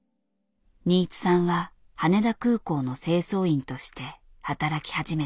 新津さんは羽田空港の清掃員として働き始めた。